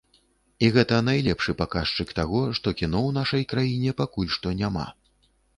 І гэта найлепшы паказчык таго, што кіно ў нашай краіне пакуль што няма.